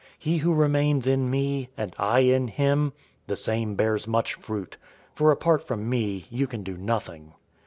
He who remains in me, and I in him, the same bears much fruit, for apart from me you can do nothing.